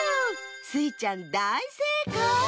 スイちゃんだいせいかい！